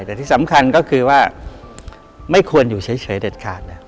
แต่ที่สำคัญก็คือว่าไม่ควรอยู่เฉยเด็ดขาดนะ